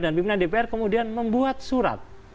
dan pimpinan dpr kemudian membuat surat